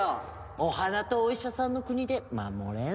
お花とお医者さんの国で守れんすか？